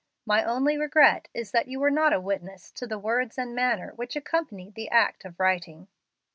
My only regret is that you were not a witness to the words and manner which accompanied the act of writing."